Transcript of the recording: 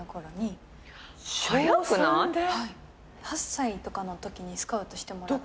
８歳とかのときにスカウトしてもらって。